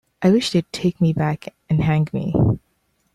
I wish they'd take me back and hang me.